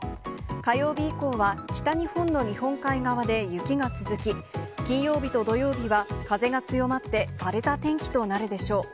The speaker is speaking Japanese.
火曜日以降は北日本の日本海側で雪が続き、金曜日と土曜日は風が強まって、荒れた天気となるでしょう。